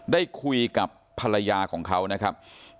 ได้คุยกับภรรยาของเขานะครับ